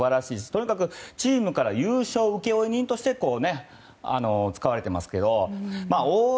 とにかくチームから優勝請負人として使われていますけどね。